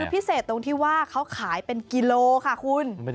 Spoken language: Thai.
พิเศษตรงที่ว่าเขาขายเป็นกิโลค่ะคุณ